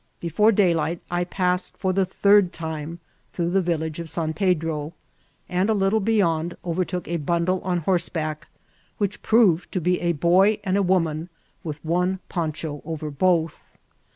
Before daylight I passed for the third time through the Tillage of San Pedro, and a little beyond overtook a bundle on horseback, which proved to be a boy and a woman, with one poncha over both.